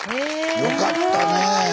よかったね。